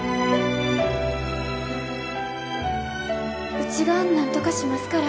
うちが何とかしますから